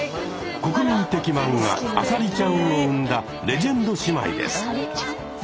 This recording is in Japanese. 国民的漫画「あさりちゃん」を生んだレジェンド姉妹です。